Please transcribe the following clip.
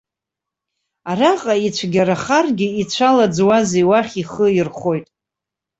Араҟа ицәгьарахаргьы, ицәалаӡуазеи, уахь ихы ирхоит!